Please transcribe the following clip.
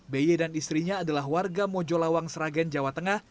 beye dan istrinya adalah warga mojolawang sragen jawa tengah